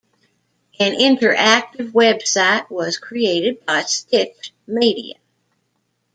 An interactive website was created by Stitch Media.